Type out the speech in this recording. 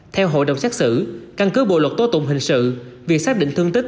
theo hội đồng xét xử căn cứ bộ luật tố tụng hình sự việc xác định thương tích